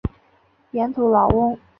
盐土老翁。